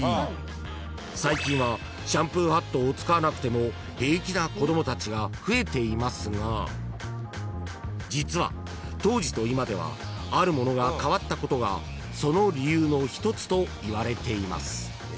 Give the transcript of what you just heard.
［最近はシャンプーハットを使わなくても平気な子供たちが増えていますが実は当時と今ではあるものが変わったことがその理由の１つといわれています］